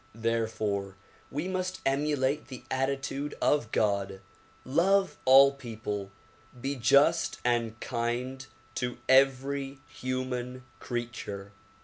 Therefore we must emulate the attitude of God, love all people, be just and kind to every human creature.